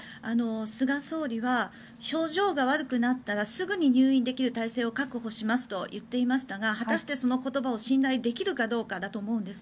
菅総理は表情が悪くなったらすぐに入院できる体制を確保しますと言っていましたが果たしてその言葉を信頼できるかどうかだと思うんです。